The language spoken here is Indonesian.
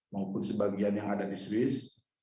maupun sebagian yang ada di swiss